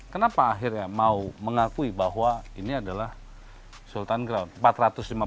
kenapa akhirnya mau mengakui bahwa ini adalah sultan ground